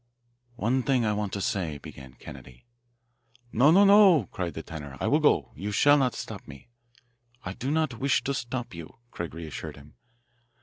"One thing I want to say," began Kennedy. "No, no, no!" cried the tenor. "I will go you shall not stop me." "I don't wish to stop you," Craig reassured him.